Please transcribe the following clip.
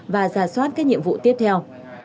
và giả soát các nhiệm vụ tiếp theo